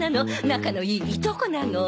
仲のいいいとこなの！